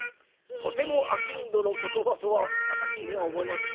とても商人の言葉とは私には思えません。